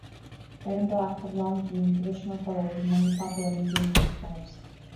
Red and black have long been traditional colours of many Papua New Guinean tribes.